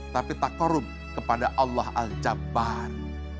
tapi tak korup kepada allah al jabar